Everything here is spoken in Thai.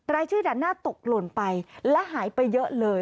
รายชื่อด่านหน้าตกหล่นไปและหายไปเยอะเลย